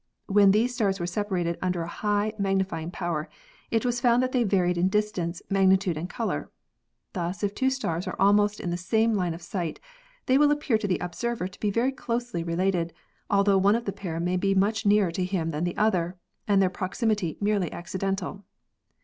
When these stars were separated under a high magnifying power it was found that they varied in distance, magnitude and color. Thus, if two stars are almost in the same line of sight, they will appear to the observer to be very closely related, altho one of the pair may be much nearer to him than the other and their proximity merely accidental.